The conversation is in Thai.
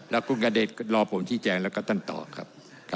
แล้วคุณกระเดชรอผมชี้แจงแล้วก็ท่านตอบครับ